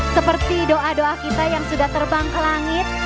seperti doa doa kita yang sudah terbang ke langit